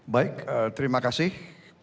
baik terima kasih